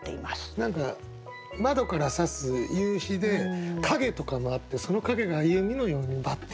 何か窓からさす夕日で陰とかもあってその陰が弓のようにバッっていうね。